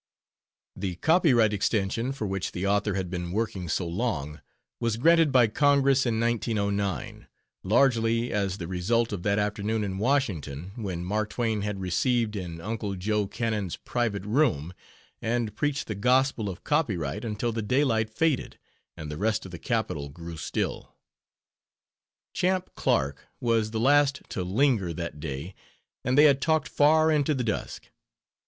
The copyright extension, for which the author had been working so long, was granted by Congress in 1909, largely as the result of that afternoon in Washington when Mark Twain had "received" in "Uncle Joe" Cannon's private room, and preached the gospel of copyright until the daylight faded and the rest of the Capitol grew still. Champ Clark was the last to linger that day and they had talked far into the dusk.